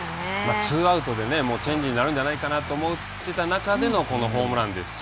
ツーアウトでチェンジになるんじゃないかと思ってた中でのこのホームランですし。